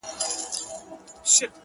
o قربان د عِشق تر لمبو سم، باید ومي سوځي.